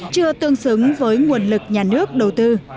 chưa tương xứng với nguồn lực nhà nước đầu tư